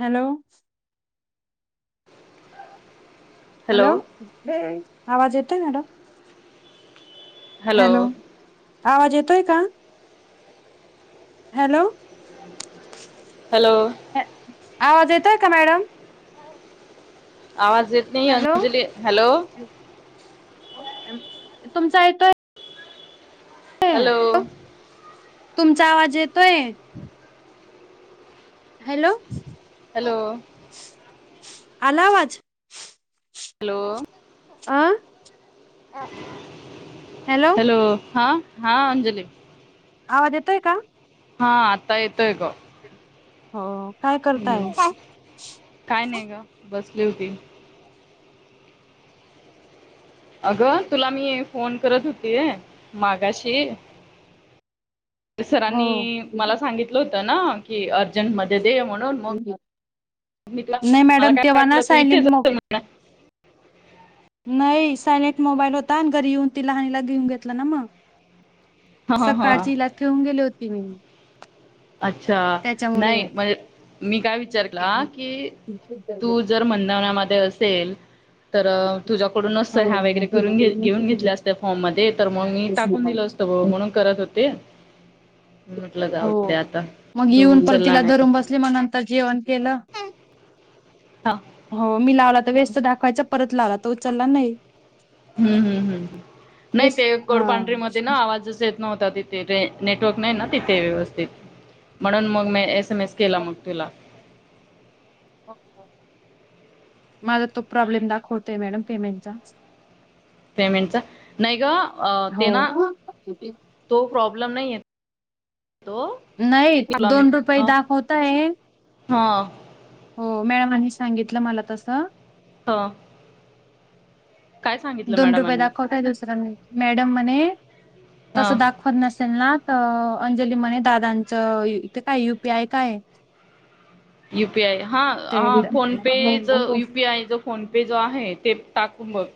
Hello. Hello आवाज येतोय madam. Hello आवाज येतोय का? हॅलो. हॅलो. आवाज येतोय का मॅडम? आवाज येत नाही हॅलो अंजली? हॅलो. तुमचा येतोय. हॅलो. तुमचा आवाज येतोय. हॅलो. हॅलो. आलावाज? हॅलो अं. हॅलो हा हा अंजली. आवाज येतोय का? हा आता येतोय ग. हो काय हम्म करताय? लिवती अगं तुला मी फोन करत होती मागाशी. हो सरांनी मला सांगितलं होत ना की अर्जंटमध् ध्येये म्हणून मग मी तुला नाही मला मॅडम काय तेव्हा ना वाटलं तू सायलेंट इथेच मो [unintelligible] म्हणा. नाही सायलेंट मोबाईल होता आणि घरी येऊन ती लहानीला घेऊन घेतला ना मग. ह ह सकाळची हिला ठेवून गेले होती मी. अच्छा त्याच्यामुळे नाही म्हजे मी काय वि चार केला की तू हो जर मंधन्यामध्ये असेल तर तुझ्याकडूनच सह्या वगैरे करून घ घेऊन घेतल्या असते फॉर्म मध्ये तर मग मी टाकून दिलं असतं ब म्हणून क रत होते म्हटलं जाऊ हो दे आता मग तू येऊन परत उचलला तिला नाही धरून बसले मग नंतर जेवण केलं हा हो मी लावला व्यस्त दाखवायचा परत लावला तो उचलला नाही. हम्म हम्म हम्म नाही व्यस्त ते हा. कोडपांढरी मध्ये ना आवाज येत नव्हता तिथ ते रे नेटवर्क नाही ना तिथे व्यवस्थित म्हणून मग मी एस एम एस केला मग तुला हो ओ. माझा तो प्रॉब्लेम दाखवतोय मॅडम पेमेंटचाच. पेमेंटचा नाही ग अ हो. ते ना तो प्रॉब्लेम नाही तो नाही तुला मी दोन रुपये अ, दाखवतय हा हो मॅम आणि सांगितलं मला तसं. हा. काय सांगितलं दोन रुपये मॅडमांनी दाखवतंय दुसर मॅडम म्हणे तस हा दाखवत नसेल ना तं अंजली म्हणे दादांचं इथे काय यु पी आय काय यु पी आय हा हा ते फोनपे जर युपीआय जर फोनपे जो आहे ते टाकून बग.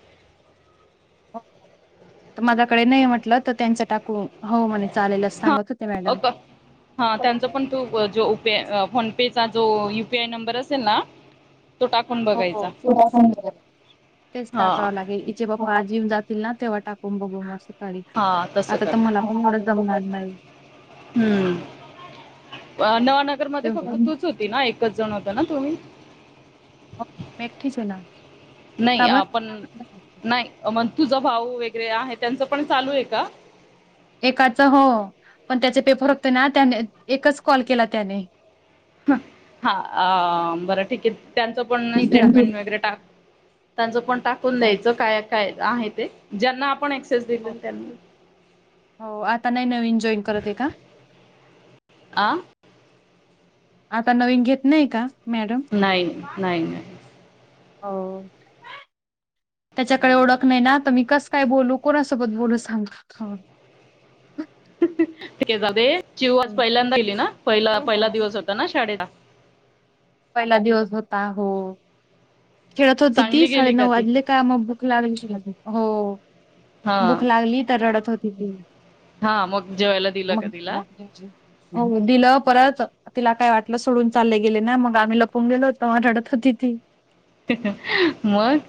माझ्याकडे नाही म्हटलं तर त्यांच टाकू हो म्हणे चालेलच हा सांगत होते मॅडम [unintelligible] हा त्यांचा पण तू जो उ पी आय अ फोन पेचा जो यु पी आय नंबर असेल ना तो टाकून हो बघायचा तेच हा टाकावं लागेल इचे बाबा जीवन जात ततील ना तेव्हाटाकबो म हा [unintelligible] तसं आता कर तर मला [unintelligible] जमणार नाही. हम्म नवानगरमध्ये फक्त तूच होती ना एकच जण होता ना तुम्ही? मी एकटीच हे ना. का नाही पण बर नाही मण तुझं भाऊ वगैरे आहे त्यांचं पण चालू आहे का? एकाच हो पण त्याचे पेपर होते ना त्याने एकच कॉल केला त्याने. हा बरं ठीके त्यांचं पण नीटला स्टेटमेंट वगैरे टाक. त्यांचं पण टाकून हो द्यायचं काय काय आहे ते ज्यांना आपण एक्सेस दिलेल त्यांनी हो आता नाही नवीन जॉईन करत आहे का? आं आता नवीन घेत नाही का? मॅडम नाही नाही नाही. हो त्याच्याकडे ओळख नाही ना तुम्ही कस काय बोलू कोणासोबत बोलू सांग. [unintelligible] जिवास पहिल्यांदाहिली ना पहि पहिला दिवस होता ना शाडेला. पहिला दिवस होता हो, खेळत होती ती चांगली गेली का साडेनऊ ती वाजले का मग भुक ला श हो. हा भूक लागली तर रडत होती ती. हा मग जेवायला दिलं का मग तिला हो दिलं परत तिला काय वाटलं सोडून चालले गेले ना मग आम्ही लपवून गेलो होतो मग रडत होती ती. मग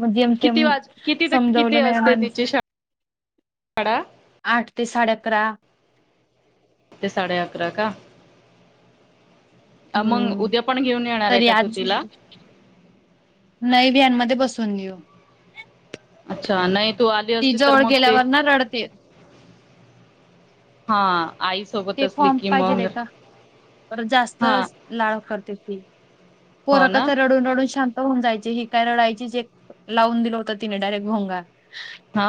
मग जेम तेम किती वाज समजवलं नाही माण काडा आठ ते साडे अकरा. ते साडे अकरा का? अ, मग हम्म उद्या पण घेऊन येणार आहे तरी का तू आज तिला नाही बि म बसून घेऊ. अच्छा नाही तू आली असते तर मग ते गेल्यावर ना रडते हा आई सोबत असली की मंग पर जास्त लाळ करते ती हो पोरकथ ना रडून रडून शांत होन जायची ही काय रडायचीच एक लावून दिलं होता तिने डायरेक्ट भोंगा. हा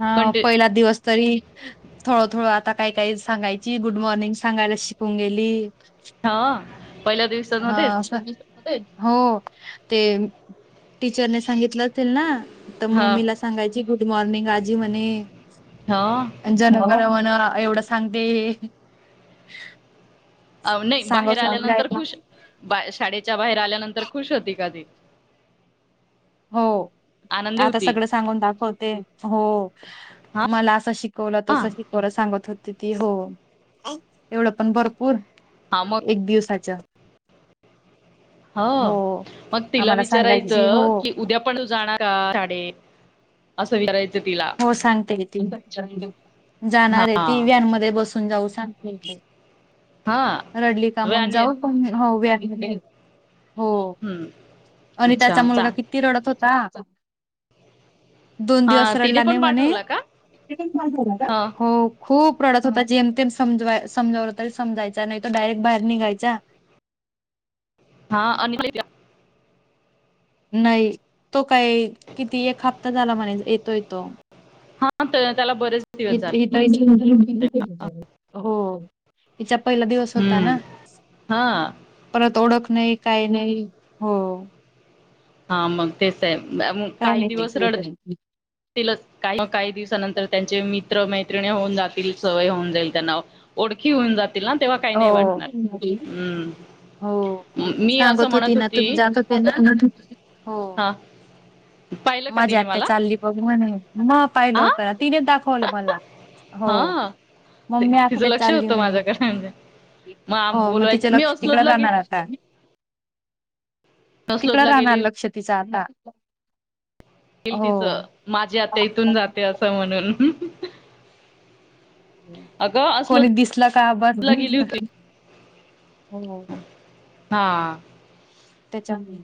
हा कंटि पहिला दिवस तरी थोडं थोडं आता काही काही सांगायची गुड मॉर्निंग सांगायला शिकून गेली. हा पहिल्या हा दिवसामध्येच [unintelligible] हो ते टीचरने सांगितलं असेल तेलना तर हा मम्मीला सांगायची गुड मॉर्निंग आजी म्हणे हा जन्म एवढ सांगते. अ नाही बाहेर सांगत होती काय आल्यानंतर खुश बा शाळेच्या बाहेर आल्यानंतर खुश होती का ती. हो आनंदी आता होती सगळं सांगून दाखवते हो. हा मला असं शिकवलं हा तसं शिकवलं सांगत होते ती हो. एवढं पण भरपूर हा मग एक दिवसाच हो मग तिला आम्हाला सांगायची विचारायचं हो की उद्या पण जाणार का शाडे असं विचारायच हो सांगते ग ती हा जाणार आहे ती व्ह्यान मध्ये बसून होऊन जाऊ सांग की हा रडली का व मग आणि जाऊन हो वेळ हो हम्म आणि अच्छा त्याचा चा मुलगा किती रडत होत चा दोन हा दिवस [unintelligible] तिने पण पाठवला का ह खूप रडत होता जेम तेम समज समजवलं तरी समजायचा नाही तो डायरेक्ट बाहेर निघायचा हा अनिक नाही तो काही किती एक हप्ता झाला म्हणे येतोय तो हा तर इ [unintelligible] हो हिचा पहिला दिवस होता हम्म ना हा परत ओडक नाही काही नाही हो हा मग तेच आहे मग काय काही माहिती दिवस रडते काही दिवसानंतर त्यांचे मैञ मिञ मैत्रिणी होऊन जातील सवय होऊन जाईल त्यांना ओळखी होऊन जातील ना तेव्हा काही नाही वाटणार हो. हम्म हो मी असं सांगत होती म्हणत ना तुम्ही जात होते ना हो हा पाहिलं का माझी तिने आत्या मला चालली बघ म्हणे म पाहिलं हा होत तिने दाखवलं मला हो हा ते मम्मी तिचं आकडे लक्ष चालली होतं म्हणे माझ्याकडे म्हणजे आम- हो मग तिच्या बोलवायचं मी लक्ष तिकडं अस्लोदला गे राहणार आता तिकडं अस्लोदला गेली राहणार लक्ष तिचं आता ये हो तिचं माझी आत्या इथून जाते असं म्हणलं कोणी दिसलं का बघ गेली होती हो. हा. त्याच्यामुळे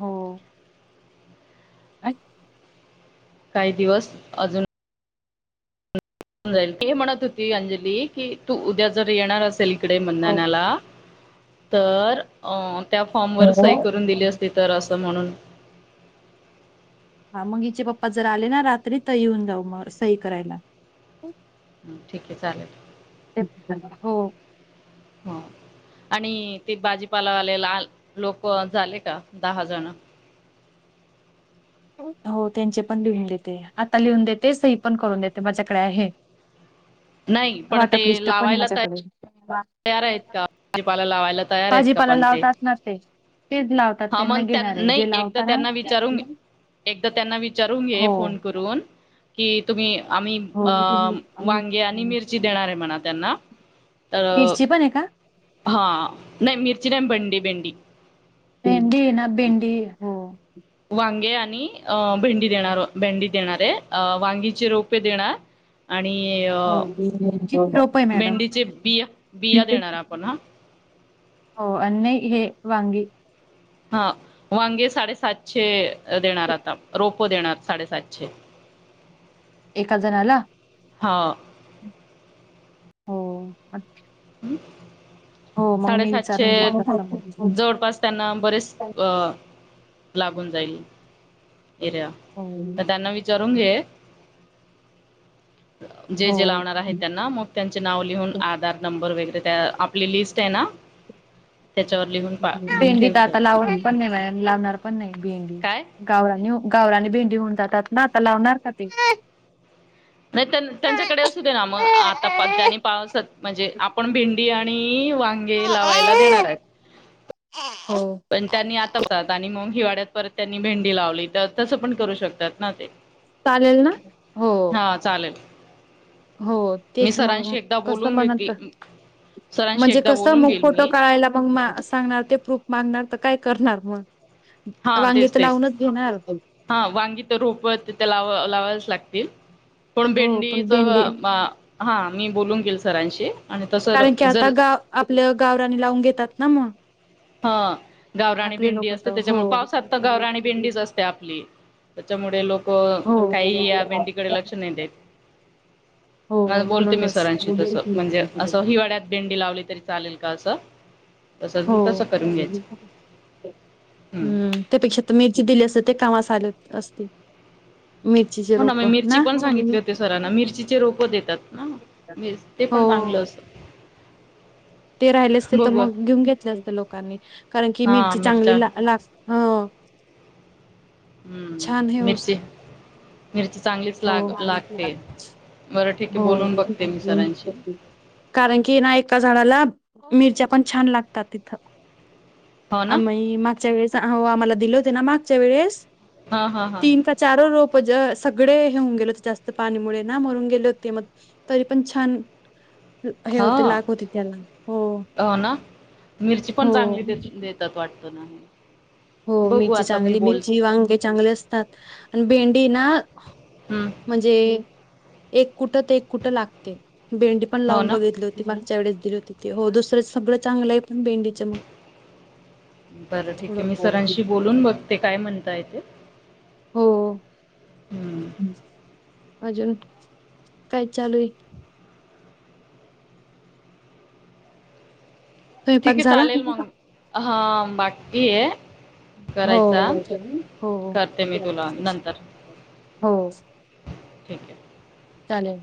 हो अच्छा. काही दिवस अजून ते म्हणत होती अंजली की तू उद्या जर येणार असेल इकडे हो मंधनाला तर अ त्या फॉर्मवर सही करून दिली असती तर असं म्हणून हा मग इचे पप्पा जर आले ना रात्री तर येऊन जाऊ मग सही करायला हम्म ठिक आहे चालेल हो. हा आणि ते बाजीपालावालेला लोकं झाले का दहा जण? हो त्यांचे पण लिहून देते, आता लिहून देते सही पण करून देते माझ्याकडे आहे. नाही पण ते वाटप लिस्ट पण लावायला काय माझ्याकडे तयार आहेत का, भाजीपाला लावायला तयार आहेत का भाजीपाला पण ते? लावतात ना ते तेच लावतात हा त्यांना मन त्यां घेणारे नाही जे एकदा लावताना त्यांना विचारू मी एकदा त्यांना विचारून घे हो फोन करून, की तुम्ही आम्ही हो अ वांगे आणि मिरची देणार आहे म्हणा त्यांना, तर जी पण आहे का? हां नाही मिरची नाही भंडी भेंडी भेंडी ना भेंडी हो. वांगे आणि अ भेंडी देणार भेंडी देणारेय वांगीचे रोपे देणार, [inaudible] आणि अ हो किती रोप आहे मॅडम मेंडीचे बिया बिया देणार आपण हा हो अन् नाही हे वांगी हा वांगे साडेसातशे देणार आता रोप प देणार, साडे सातशे. एका जणाला हा. हो अ [unintelligible] साडे सातशे, विचारून घेतलं जवळपास त्यांना बरेच अ लागून जाईल. एरिया हो त त्यांना विचारून घे. जे जे हो लावणार आहे त्यांना मग त्यांचे नाव लिहून आधार नंबर वगैरे त्या आपली लिस्ट आहे ना? त्याच्यावर लिहून पा भेंडी तर ठेवून आता द्यायची लावली पण नाही मॅडम लावणार पण नाही. भेंडी काय गावरानी हो गावरानी भेंडी होऊन जातात ना आता लावणार का ते? नाही त्यांचा त्यांच्याकडे असू दे ना मग आता ज्यांनी पा पावसात म्हणजे आपण भेंडी आणि मी वांगे लावायला देणार आहे. हो पण त्यांनी आता [unintelligible] आणि मग हिवाळा त्यात परत त्यांनी भेंडी लावली, तर तसं पण करू शकतात ना ते. चालेल ना? हो. हा चालेल हो मी तेच मग सरांशी एकदा कसं बोलून म घेते नंतर सरांशी म्हणजे एकदा कसं बोलून मग घेईल फोटो मी काढायला मग सांगणार ते प्रूफ मागणार आता काय करणार मग? हा वांगी तेच तर तेच, लावूनच घेणार हा वांगी तर रोप तिथे लावा लावायलाच लाग तील पण हो पण भेंडीच भेंडी हा मी बोलून घेईल सरांशी. आणि तसं कारण की जर आता गाव आपलं गावराणी लावून घेतात ना मग हा, गावरानी आपले भेंडी लोक असते तर हो त्याच्यामुळे पावसात तर गावरानी भेंडीच असते आपली. त्याच्यामुळे लोकं, काही या भेंडी कडे लक्ष नाही देत. हो हो बोलते मी म्हणूनच सरांशी तसं म्हणजे असं हिवाळ्यात भेंडी लावली तरी चालेल का असं? तसं [unintelligible] घ्यायचं ह्म्म त्यापेक्षा तुम्हीच जी दिली असते ती काम चालत असते मिरचीचे हो ना मि रोप मिरची पण सांगितली होती सरांना मिरचीचे रोप देतात ना, ते पण चांगलं असत [inaudible] ते राहिले असते तर बघू मग घेऊन घेतले असते लोकांनी, कारण की हा मिरची मिरच्या चांगली ला लागते हो. हम्म मिर्ची [inaudible] हो. आमी [unintelligible] छान बरं ठीक आहे बोलून बघते मी हो सरांशी [inaudible] कारण की ना एका झाडाला मिरच्या पण छान लागतात तिथं. हो ना आम्ही मागच्या वेळेस अ आम्हाला दिले होते ना मागच्या वेळेस हां हां हां तीन का चार रोप ज सगळे हे होऊन गेले होते जास्त पाणीमुळे ना मरून गेले होते. हे मग तरी पण छान हे होते हां लागले होते त्याला हो हो ना मिरची पण हो चांगलीे देता-देतात वाटत. हो मिरची चांगली मिरची वांगे चांगले असतात आणि भेंडी ना हं, म्हणजे एक कुठं त एक कुठं लागते भेंडी पण हो लावून ना बघितली होती मागच्या वेळेस हो दुसरं सगळं चांगलं आहे पण भेंडीच मग बरं ठीक आहे थोडं मी सरांशी बोलून बघते काय म्हणताय ते. ह अजून [inaudible] काय चालू आहे? स्वयंपाक ठीक आहे झाला चालेल मग हा बाकी ये हो हो ओके हो मी हो... तुला नंतर हो. ठीक ये. चालेल.